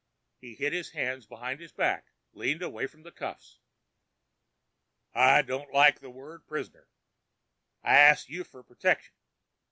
He hid his hands behind his back, leaned away from the cuffs. "I don't like that word 'prisoner'. I ast you fer pertection.